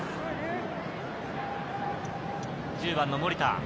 １０番の森田。